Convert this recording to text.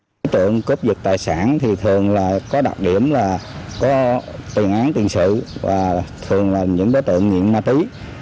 đối tượng cướp dịch tài sản thì thường là có đặc điểm là có tình án tiền sự và thường là những đối tượng nhiễm ma tí